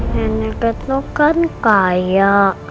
nenek retno kan kaya